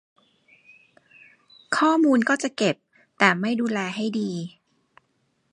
ข้อมูลก็จะเก็บ แต่ไม่ดูแลให้ดี